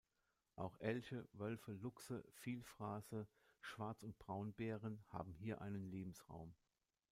Auch Elche, Wölfe, Luchse, Vielfraße, Schwarz- und Braunbären haben hier einen Lebensraum.